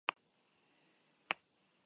En la roca del monte excavó su propia celda.